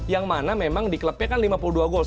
yang mana memang di klubnya kan lima puluh dua gol